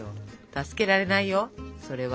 助けられないよそれは。